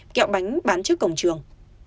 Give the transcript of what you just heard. kẹo bánh bán trước cổng trường